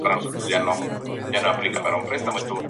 Rápidamente destacó entre los arquitectos de su generación.